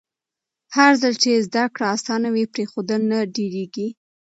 هرځل چې زده کړه اسانه وي، پرېښودل نه ډېرېږي.